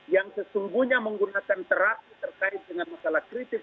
yang sesungguhnya menggunakan terapi terkait dengan masalah kritis